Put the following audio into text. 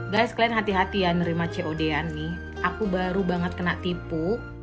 guys kalian hati hati ya nerima cod an nih aku baru banget kena tipu